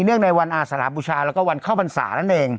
เนื่องในวันอาสาบุชาแล้วก็วันเข้าบรรษานั่นเอง